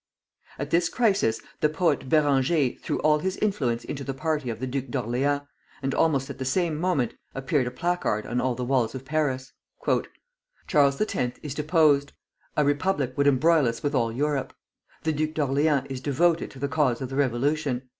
At this crisis the poet Béranger threw all his influence into the party of the Duke of Orleans, and almost at the same moment appeared a placard on all the walls of Paris: "Charles X. is deposed. A Republic would embroil us with all Europe. The Duke of Orleans is devoted to the cause of the Revolution.